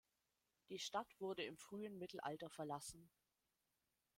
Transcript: Die Stadt wurde im frühen Mittelalter verlassen.